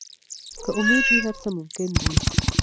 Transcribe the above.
که امید وي، هر څه ممکن دي.